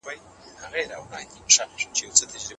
مکناتن د ټولو خطرونو سره سره پلان ته دوام ورکړ.